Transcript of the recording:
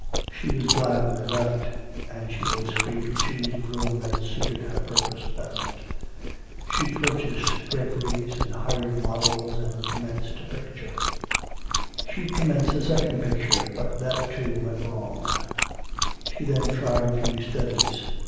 She was glad when they left, and she was free to choose the room that suited her purpose best. She purchased draperies, and hired models, and commenced a picture. She commenced a second picture, but that too went wrong; she then tried a few studies.